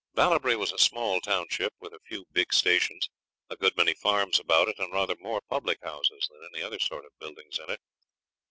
Ballabri was a small township with a few big stations, a good many farms about it, and rather more public houses than any other sort of buildings in it.